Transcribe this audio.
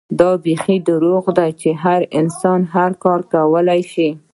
دا بيخي دروغ دي چې هر انسان هر کار کولے شي